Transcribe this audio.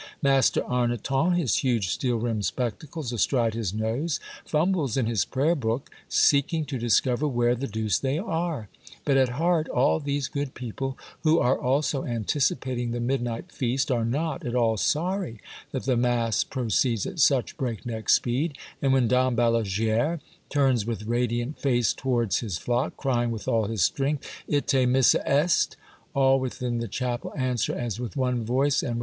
Master Arnoton, his huge steel rimmed spectacles astride his nose, fumbles in his prayer book, seeking to discover where the deuce they are. But at heart all these good people, who are also anticipating the mid night feast, are not at all sorry that the mass pro ceeds at such break neck speed ; and when Dom Balaguere turns with radiant face towards his flock, crying with all his strength, '* lie, missa est,'' all within the chapel answer, as with one voice, and Yule Tide Stories.